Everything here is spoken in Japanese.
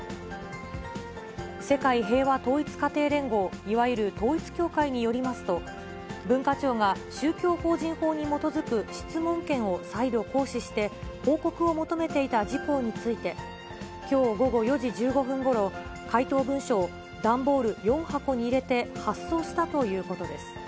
世界平和統一家庭連合、いわゆる統一教会によりますと、文化庁が宗教法人法に基づく質問権を再度行使して、報告を求めていた事項について、きょう午後４時１５分ごろ、回答文書を段ボール４箱に入れて発送したということです。